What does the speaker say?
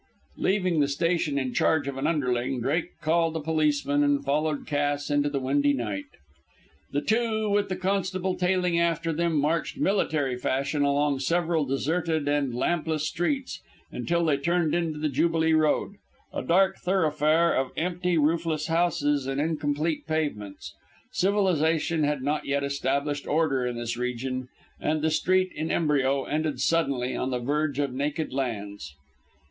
Leaving the station in charge of an underling, Drake called a policeman, and followed Cass into the windy night. The two, with the constable tailing after them, marched military fashion along several deserted and lampless streets, until they turned into the Jubilee Road, a dark thoroughfare of empty, roofless houses and incomplete pavements. Civilisation had not yet established order in this region, and the street in embryo ended suddenly on the verge of naked lands.